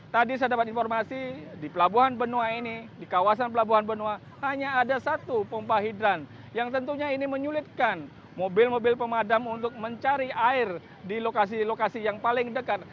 tadi saya dapat informasi di pelabuhan benoa ini di kawasan pelabuhan benoa hanya ada satu pompa hidran yang tentunya ini menyulitkan mobil mobil pemadam untuk mencari air di lokasi lokasi yang paling dekat